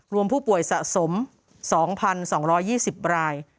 รวมผู้ป่วยสะสม๒๒๒๐ราย